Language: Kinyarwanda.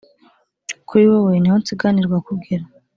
Kuri wowe niho nsiganirwa kugera